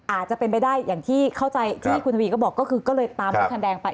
อาจจะเป็นไปได้อย่างที่เข้าใจที่คุณทวีก็บอกก็คือก็เลยตามรถคันแดงไป